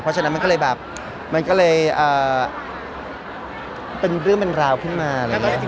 เพราะฉะนั้นมันก็เลยเป็นเรื่องเป็นราวขึ้นมา